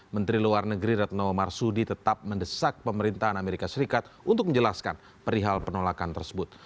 menteri luar negeri retno marsudi tetap mendesak pemerintahan amerika serikat untuk menjelaskan perihal penolakan tersebut